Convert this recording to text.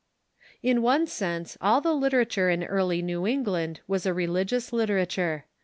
In one sense all the literature in early New England was a religious literature.